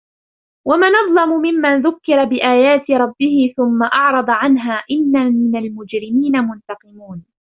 ومن أظلم ممن ذكر بآيات ربه ثم أعرض عنها إنا من المجرمين منتقمون